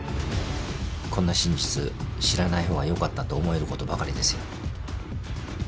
こんな真実知らないほうがよかったって思える事ばかりですよ。